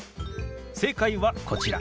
正解はこちら。